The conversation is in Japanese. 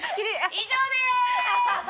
以上です！